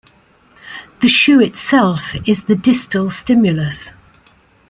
The shoe itself is the distal stimulus.